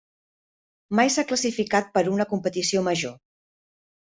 Mai s'ha classificat per una competició major.